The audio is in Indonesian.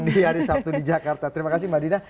di hari sabtu di jakarta terima kasih mbak dina